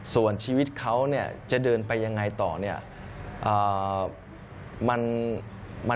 ส่วนชีวิตเขาจะเดินไปยังไงต่อมันก็เกินคาดหวังครับ